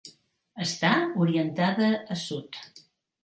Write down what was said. Està orientada a sud.